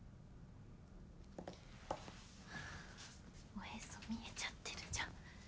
おへそ見えちゃってるじゃん。